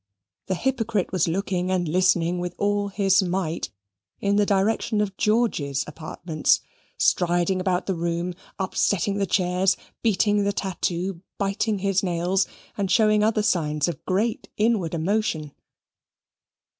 The hypocrite was looking and listening with all his might in the direction of George's apartments, striding about the room, upsetting the chairs, beating the tattoo, biting his nails, and showing other signs of great inward emotion.